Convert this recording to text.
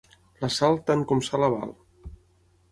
La sal tant com sala val.